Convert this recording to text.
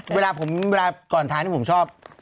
เวลาก่อนท้ายนี้ผมชอบ